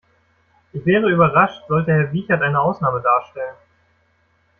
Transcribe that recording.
Ich wäre überrascht, sollte Herr Wiechert eine Ausnahme darstellen.